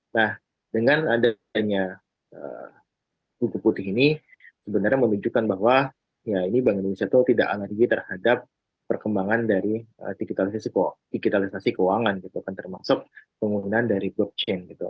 nah dengan adanya buku putih ini sebenarnya menunjukkan bahwa ya ini bank indonesia itu tidak alergi terhadap perkembangan dari digitalisasi keuangan gitu kan termasuk penggunaan dari blockchain gitu